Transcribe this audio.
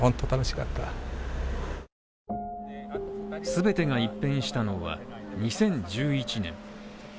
全てが一変したのは２０１１年。